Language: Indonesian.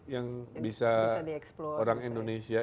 yang bisa orang indonesia